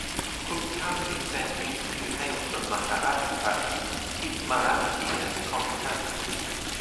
Kulkarni families who hail from Maharashtra speak Marathi and Konkani.